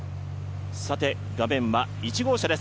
画面は１号車です。